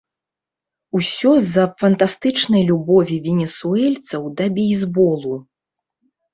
Усё з-за фантастычнай любові венесуэльцаў да бейсболу.